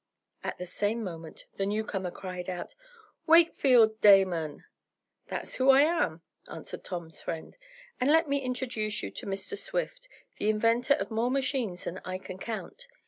At the same moment the newcomer cried out: "Wakefield Damon!" "That's who I am," answered Tom's friend, "and let me introduce you to Mr. Swift, the inventor of more machines than I can count.